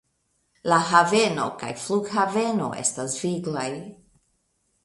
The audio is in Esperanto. La haveno kaj flughaveno estas viglaj.